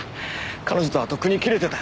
彼女とはとっくに切れてた。